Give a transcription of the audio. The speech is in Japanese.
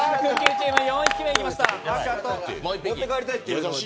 チーム４匹目出ました。